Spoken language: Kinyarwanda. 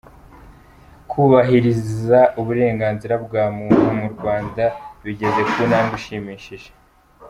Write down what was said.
Kubahiriza uburenganzira bwa muntu mu Rwanda bigeze ku ntambwe ishimishije